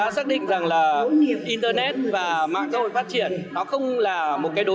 sử dụng các lợi thế của đó